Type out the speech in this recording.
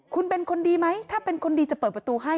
คุณเป็นคนดีไหมอยากเปิดประตูให้